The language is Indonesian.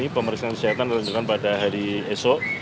pemeriksaan kesehatan dilanjutkan pada hari esok